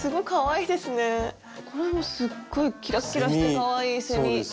これもすっごいキラッキラしてかわいいセミ。